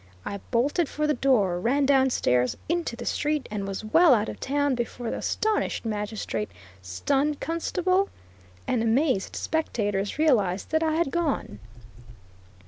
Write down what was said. I bolted for the door, ran down stairs into the street, and was well out of town before the astonished magistrate, stunned constable, and amazed spectators realized that I had gone.